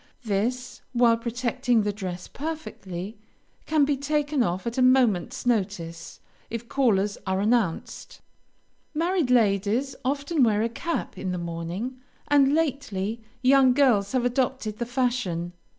This, while protecting the dress perfectly, can be taken off at a moment's notice if callers are announced. Married ladies often wear a cap in the morning, and lately, young girls have adopted the fashion.